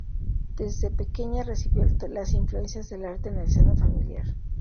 Desde pequeña recibió las influencias del arte en el seno familiar.